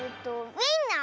ウインナー。